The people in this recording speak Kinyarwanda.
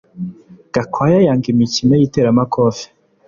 Gakwaya yanga imikino yiteramakofe